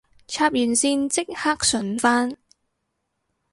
插完線即刻順返